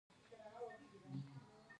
آیا دیني سیلانیان زیارتونو ته راځي؟